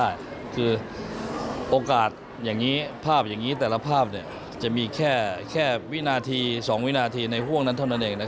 อย่างนี้แต่ละภาพจะมีแค่วินาที๒วินาทีในห่วงนั้นเท่านั้นเอง